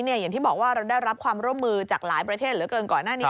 อย่างที่บอกว่าเราได้รับความร่วมมือจากหลายประเทศเหลือเกินก่อนหน้านี้